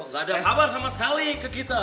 gak ada kabar sama sekali ke kita